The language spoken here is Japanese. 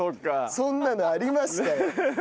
そんなのありましたよ。